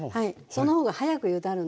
その方が早くゆだるんで。